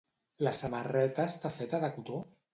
La samarreta està feta de cotó?